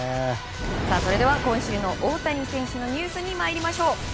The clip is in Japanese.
それでは今週の大谷選手のニュースに参りましょう。